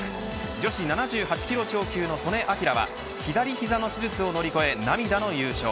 女子７８キロ超級の素根輝は左ひざの手術を乗り越え涙の優勝。